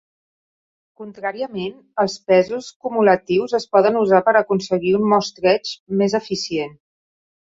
Contràriament, els pesos cumulatius es poden usar per aconseguir un mostreig més eficient.